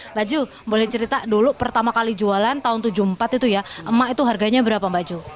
mbak ju boleh cerita dulu pertama kali jualan tahun seribu sembilan ratus tujuh puluh empat itu ya emak itu harganya berapa mbak ju